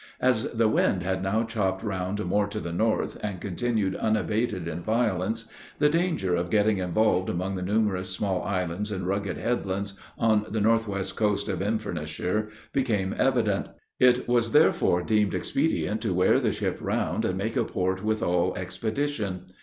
As the wind had now chopped round more to the north, and continued unabated in violence, the danger of getting involved among the numerous small islands and rugged headlands, on the northwest coast of Inverness shire, became evident. It was therefore deemed expedient to wear the ship round, and make a port with all expedition.